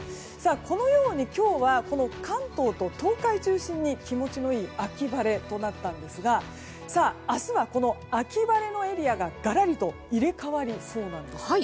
このように、今日は関東と東海中心に気持ちのいい秋晴れとなったんですが明日はこの秋晴れのエリアががらりと入れ替わりそうなんです。